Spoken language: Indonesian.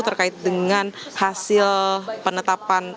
terkait dengan hasil penetapan